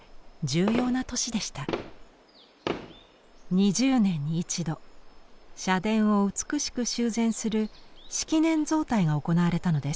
２０年に１度社殿を美しく修繕する式年造替が行われたのです。